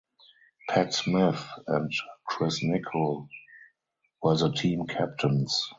Pat Smith and Chris Nichol were the team captains.